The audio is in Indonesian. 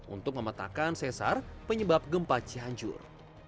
untuk memetakan sesar penyebab gempa cianjur